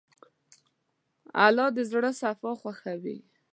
الله د زړه صفا خوښوي.